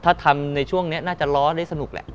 ถ้าทำในช่วงนี้น่าจะล้อได้สนุกแหละ